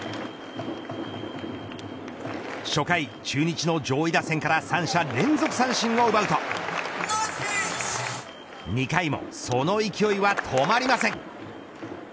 初回、中日の上位打線から三者連続三振を奪うと２回もその勢いは止まりません。